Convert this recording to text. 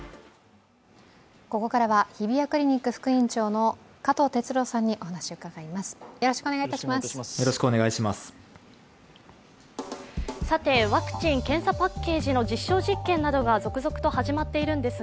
ここからは日比谷クリニック副院長の加藤哲朗さんにお話を伺います。